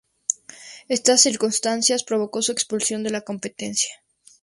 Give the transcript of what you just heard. Esta circunstancia provocó su expulsión de la competición.